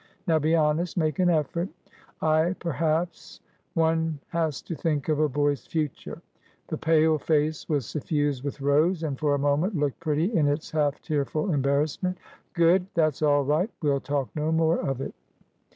Now be honestmake an effort." "Iperhapsone has to think of a boy's future" The pale face was suffused with rose, and for a moment looked pretty in its half tearful embarrassment. "Good. That's all right. We'll talk no more of it."